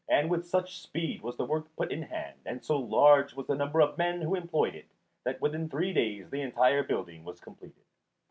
And with such speed was the work put in hand, and so large was the number of men employed upon it, that within three days the entire building was completed.